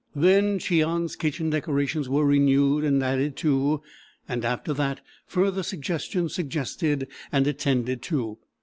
Then Cheon's kitchen decorations were renewed and added to; and after that further suggestions suggested and attended to.